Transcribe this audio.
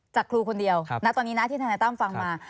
จากคุณคนเดียวตอนนี้ที่ทานายต้ำฟังมา